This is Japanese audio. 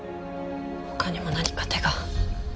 他にも何か手が。